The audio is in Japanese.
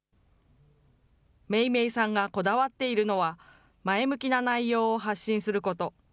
めいめいさんがこだわっているのは、前向きな内容を発信すること。